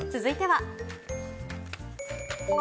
続いては。